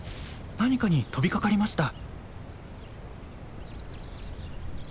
何かに飛びかかりました。